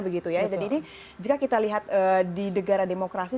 jadi ini jika kita lihat di negara demokrasi